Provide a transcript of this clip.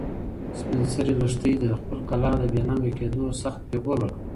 سپین سرې لښتې ته د خپلې کلا د بې ننګه کېدو سخت پېغور ورکړ.